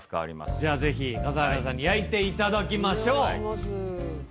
じゃあぜひ笠原さんに焼いて頂きましょう！